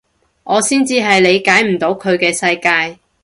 我先至係理解唔到佢嘅世界